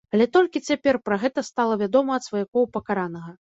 Але толькі цяпер пра гэта стала вядома ад сваякоў пакаранага.